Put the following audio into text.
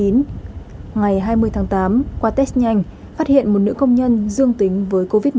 ngày hai mươi tháng tám qua test nhanh phát hiện một nữ công nhân dương tính với covid một mươi chín